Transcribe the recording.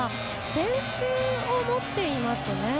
扇子を持っていますね。